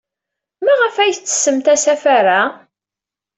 Maɣef ay tettessemt asafar-a?